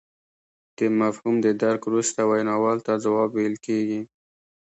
د مفهوم د درک وروسته ویناوال ته ځواب ویل کیږي